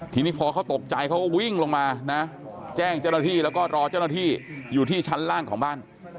ทีนี้พอเขาตกใจเขาก็วิ่งลงมานะแจ้งเจ้าหน้าที่แล้วก็รอเจ้าหน้าที่อยู่ที่ชั้นล่างของบ้าน